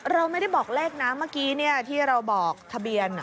เราไม่ได้บอกเลขนะเมื่อกี้ที่เราบอกทะเบียน